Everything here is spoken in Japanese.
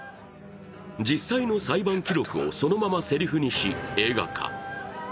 実際の裁判記録をそのまませりふにし、映画化。